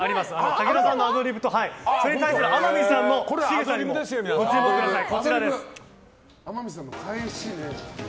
武田さんのアドリブと天海さんのしぐさにもご注目ください。